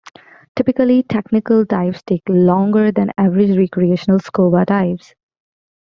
Typically, technical dives take longer than average recreational scuba dives.